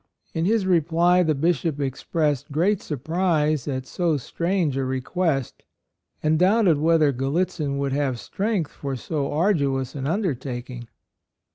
In his reply the Bishop expressed great surprise at so strange a request, and doubted whether Gallitzin would have strength for so arduous an undertaking.